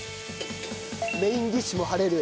メインディッシュも張れる。